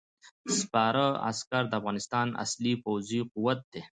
سپاره عسکر د افغانستان اصلي پوځي قوت دی.